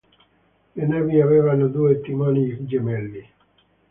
Le navi avevano due timoni gemelli.